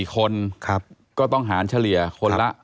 ๔คนก็ต้องหารเฉลี่ยคนละ